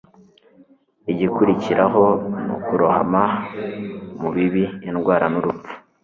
igikurikiraho ni ukurohama mu bibi, indwara, n'urupfu